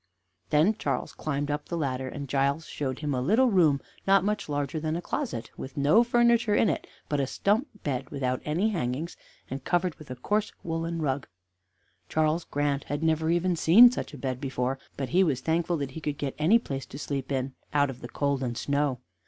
Then Charles climbed up the ladder, and Giles showed him a little room, not much larger than a closet, with no furniture in it, but a stump bed without any hangings, and covered with a coarse, woolen rug. Charles Grant had never even seen such a bed before, but he was thankful that he could get any place to sleep in, out of the cold and snow.